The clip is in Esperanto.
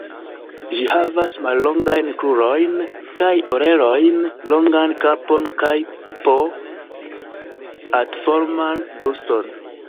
Ĝi havas mallongajn krurojn kaj orelojn, longan kapon kaj p,atforman bruston.